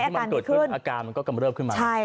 ที่มันเกิดขึ้นอาการมันก็กำเริบขึ้นมา